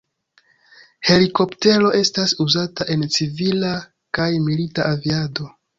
Helikoptero estas uzata en civila kaj milita aviado.